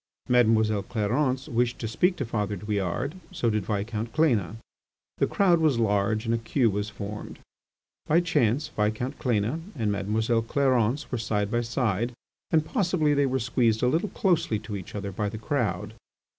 Mademoiselle Clarence wished to speak to Father Douillard, so did Viscount Cléna. The crowd was large, and a queue was formed. By chance Viscount Cléna and Mademoiselle Clarence were side by side and possibly they were squeezed a little closely to each other by the crowd.